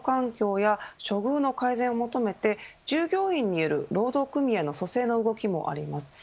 さらに現場の労働環境や処遇の改善を求めて従業員による労働組合の組成の動きもあります。